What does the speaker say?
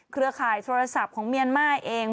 เครือข่ายโทรศัพท์ของเมียนมาร์เอง